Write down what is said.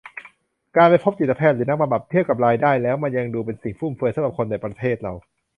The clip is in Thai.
การไปพบจิตแพทย์หรือนักบำบัด เทียบกับรายได้แล้วมันยังดูเป็นสิ่งฟุ่มเฟือยสำหรับคนในประเทศเรา